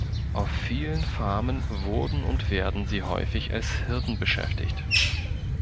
Auf vielen Farmen wurden und werden sie häufig als Hirten beschäftigt.